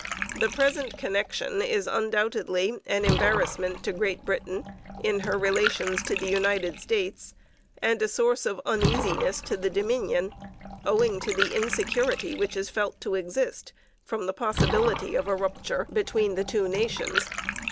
The present connection is undoubtedly an embarrassment to Great Britain in her relations to the United States and a source of uneasiness to the Dominion, owing to the insecurity which is felt to exist from the possibility of a rupture between the two nations.